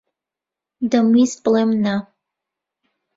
دەمویست بڵێم نا.